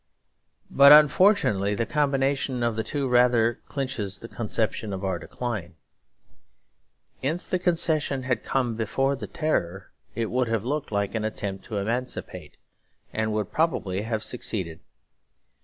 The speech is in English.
But unfortunately the combination of the two rather clinches the conception of our decline. If the concession had come before the terror, it would have looked like an attempt to emancipate, and would probably have succeeded.